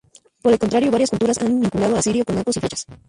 Por el contrario, varias culturas han vinculado a Sirio con arcos y flechas.